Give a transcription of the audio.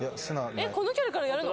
この距離からやるの？